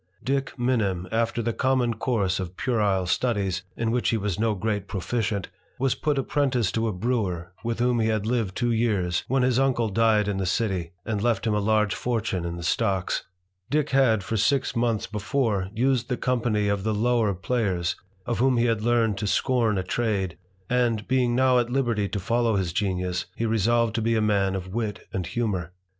Dick Minim, after the common course of puerile studies in which he was no great proficient, was put apprentice to i brewer, with whom he had lived two years, when his und died in the city, and left him a large fortune in the stocb Dick had for six months before used the company of tb lower players, of whom he had learned to scorn a trade and, being now at liberty to follow his genius, he resolvei to be a man of wit and humour.